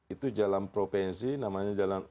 itu jalan provinsi namanya jalan